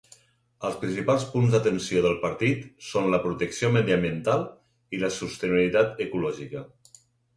Els principals punts d'atenció del partit són la protecció mediambiental i la sostenibilitat ecològica.